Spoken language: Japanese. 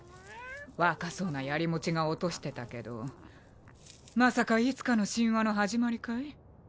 若そうな槍持ちが落としてたけどまさかいつかの神話の始まりかい？